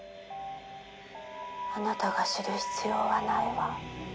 あなたが知る必要はないわ。